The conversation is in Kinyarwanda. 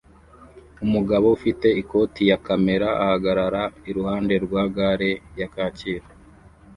Umugabo ufite ikoti ya kamera ahagarara iruhande rwa gare ya kacyiru